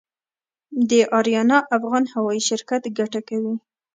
د اریانا افغان هوايي شرکت ګټه کوي؟